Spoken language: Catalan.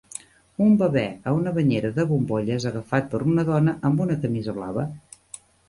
Un bebè a una banyera de bombolles agafat per una dona amb una camisa blava